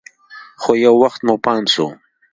خو يو وخت مو پام سو.